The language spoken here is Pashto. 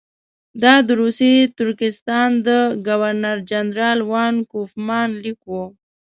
دا د روسي ترکستان د ګورنر جنرال وان کوفمان لیک وو.